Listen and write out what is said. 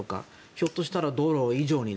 ひょっとしたら道路以上に。